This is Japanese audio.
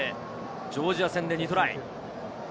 ジョージア戦で２トライ。